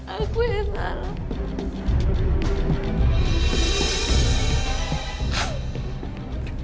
aku yang salah